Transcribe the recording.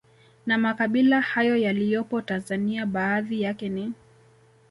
Na makabila hayo yaliyopo Tanzania baadhi yake ni